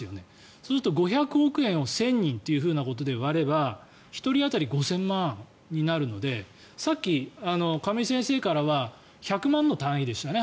そうすると５００億円を１０００人で割れば１人当たり５０００万円になるのでさっき、亀井先生からは１００万の単位でしたね。